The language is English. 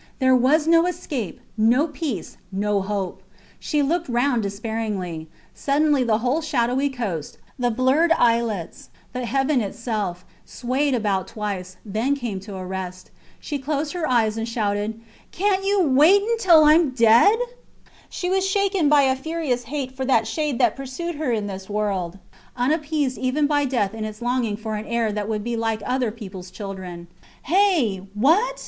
There was no escape, no peace, no hope. She looked round despairingly. Suddenly the whole shadowy coast, the blurred islets, the heaven itself, swayed about twice, then came to a rest. She closed her eyes and shouted Cant you wait till I am dead! She was shaken by a furious hate for that shade that pursued her in this world, unappeased even by death in its longing for an heir that would be like other peoples children. Hey! What?